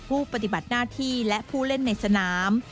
ผู้ปฏิบัติหน้าที่และผู้เล่นในสนาม